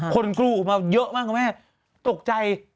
คนกลุมาเยอะมากกว่าแม่ตกใจ